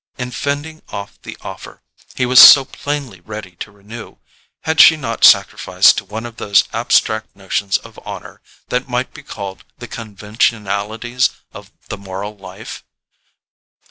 In fending off the offer he was so plainly ready to renew, had she not sacrificed to one of those abstract notions of honour that might be called the conventionalities of the moral life?